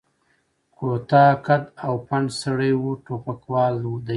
کوتاه قد او پنډ سړی و، ټوپکوالو دی.